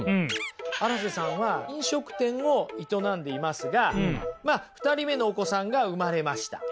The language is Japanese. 荒瀬さんは飲食店を営んでいますがまあ２人目のお子さんが産まれました。